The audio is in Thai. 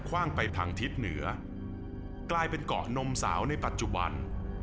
ว่างไปทางทิศเหนือกลายเป็นเกาะนมสาวในปัจจุบัน